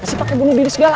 masih pake bunuh diri segala